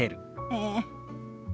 ええ。